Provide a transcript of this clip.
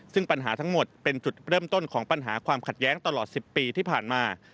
ซึ่งปัญหาทั้งหมดเป็นจุดเริ่มต้นของปัญหาความขัดแย้งตลอด๑๐ปีที่ผ่านมา